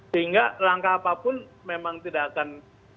sehingga langkah apapun memang tidak akan